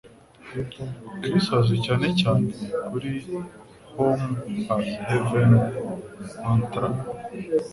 Chris azwi cyane cyane kuri "home as haven" mantra.